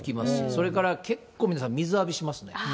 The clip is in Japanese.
それから結構、皆さん、水浴びしますね。